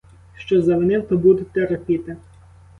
Що завинив, то буду терпіти.